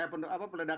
peledakan kasus ini